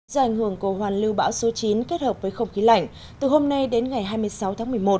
do ảnh hưởng của hoàn lưu bão số chín kết hợp với không khí lạnh từ hôm nay đến ngày hai mươi sáu tháng một mươi một